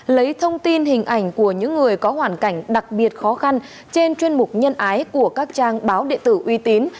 lấy thông tin hình ảnh của những người có hoàn cảnh đặc biệt khó khăn trên chuyên mục nhân ái của các trang báo địa tử uy tín